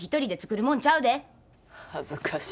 恥ずかし。